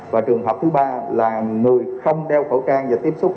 và trường học thứ ba là người không đeo khẩu trang và tiếp xúc gần